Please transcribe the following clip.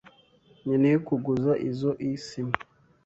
Nkeneye kuguza izoi sima.